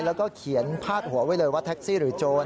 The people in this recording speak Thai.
แล้วก็เขียนพาดหัวไว้เลยว่าแท็กซี่หรือโจร